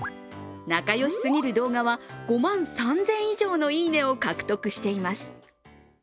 仲良しすぎる動画は５万３０００以上のいいねを獲得しています。